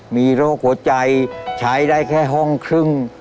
มีโรคหัวใจใช้ได้แค่ห้องครึ่ง